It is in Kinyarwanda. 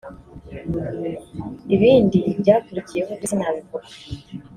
Ibindi byakurikiyeho byo sinabivuga